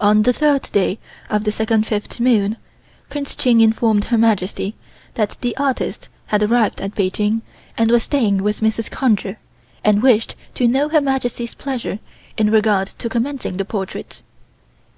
On the third day of the second fifth moon Prince Ching informed Her Majesty that the artist had arrived at Peking and was staying with Mrs. Conger and wished to know Her Majesty's pleasure in regard to commencing the portrait.